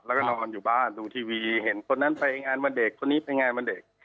แล้วก็นอนอยู่บ้านดูทีวีเห็นคนนั้นไปงานวันเด็กคนนี้ไปงานวันเด็ก